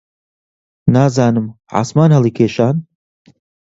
نازانم عاسمان هەڵیکێشان؟